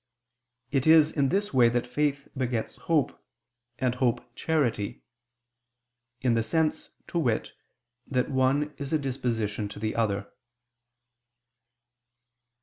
It is in this way that faith begets hope, and hope charity: in the sense, to wit, that one is a disposition to the other.